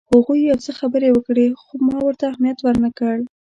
هغوی یو څه خبرې وکړې خو ما ورته اهمیت ورنه کړ.